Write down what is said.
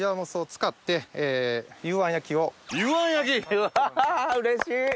うわうれしい。